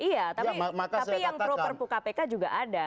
iya tapi yang pro perpu kpk juga ada